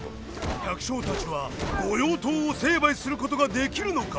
百姓たちは御用盗を成敗することができるのか？